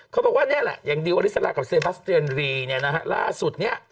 เขาบอกว่าอย่างดิวอริสระกับเซบาสเตียนรีล่าสุดนี้